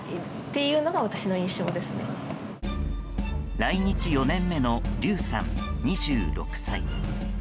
来日４年目のリュウさん、２６歳。